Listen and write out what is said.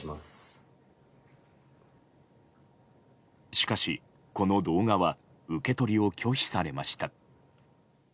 しかし、この動画は受け取りを拒否されました。